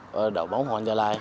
trong đầu bóng hoàng gia lai